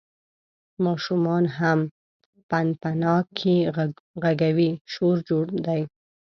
ماشومان هم پنپنانکي غږوي، شور جوړ دی.